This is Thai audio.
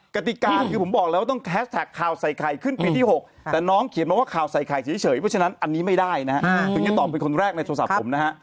กติกาที่ผมบอกแล้วต้องแท็กใครขึ้นไปที่๖แล้วน้องีมองขาวใส่ใต้เฉยเพราะฉะนั้นอันนี้ไม่ได้นะถึงบอกเป็นคนแรกในโทรศัพท์ผมนะครับ